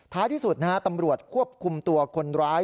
ที่สุดนะฮะตำรวจควบคุมตัวคนร้าย